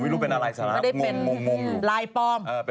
ไม่รู้เป็นอะไรซะนะครับ